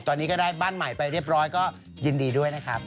ตอนนี้ก็ได้บ้านใหม่ไปเรียบร้อยก็ยินดีด้วยนะครับ